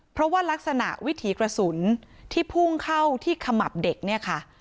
เพราะว่ารักษณะวิถีกระสุนที่พุ่งเข้าที่ขมับเด็กเนี่ยค่ะ